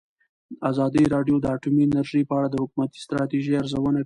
ازادي راډیو د اټومي انرژي په اړه د حکومتي ستراتیژۍ ارزونه کړې.